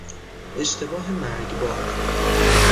اشتباه مرگبار